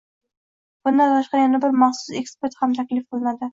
Bundan tashqari yana bir maxsus ekspert ham taklif qilinadi.